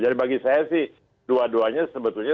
jadi bagi saya sih dua duanya sebetulnya